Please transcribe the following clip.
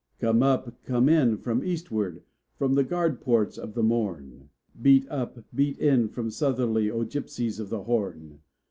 Come up, come in from Eastward, from the guard ports of the Morn! Beat up, beat in from Southerly, O gipsies of the Horn!